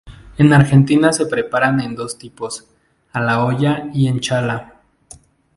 En Argentina se preparan en dos tipos, a la olla y en chala.